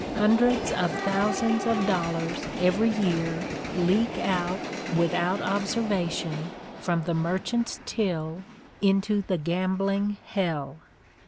Hundreds of thousands of dollars every year leak out without observation from the merchant's till into the gambling hell.